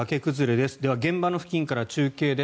では、現場付近から中継です。